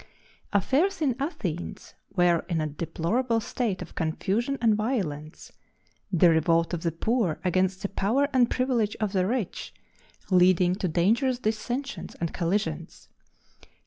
Affairs in Athens were in a deplorable state of confusion and violence, the revolt of the poor against the power and privilege of the rich leading to dangerous dissensions and collisions.